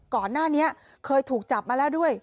ก่อนหน้านี้เคยถูกจับมาแล้วด้วย